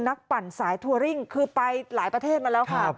ปั่นสายทัวริ่งคือไปหลายประเทศมาแล้วค่ะ